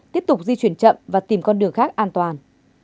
tiếp tục di chuyển chậm và tìm con đường khác an toàn